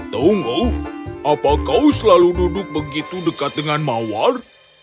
tunggu apa kau selalu duduk begitu dekat dengan mawar